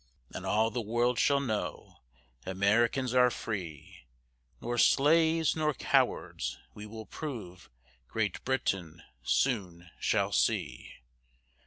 And all the world shall know, Americans are free; Nor slaves nor cowards we will prove, Great Britain soon shall see.